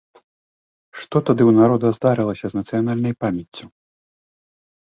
Што тады ў народа здарылася з нацыянальнай памяццю?